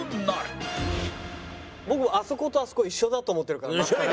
僕あそことあそこ一緒だと思ってるから。